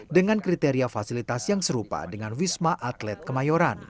dengan kriteria fasilitas yang serupa dengan wisma atlet kemayoran